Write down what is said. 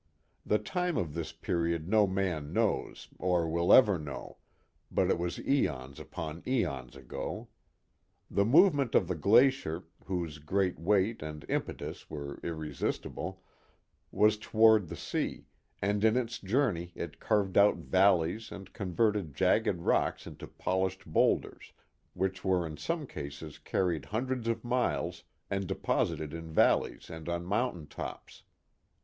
The time of this period no man knows, or will ever know; but it was eons upon eons ago. The movement of the glacier, whose great weight and impetus were irresistible, was toward the sea, and in its journey it carved out valleys and converted jagged rocks into polished boulders, which were in some cases carried hundreds of miles and deposited in valleys and on mountain tops.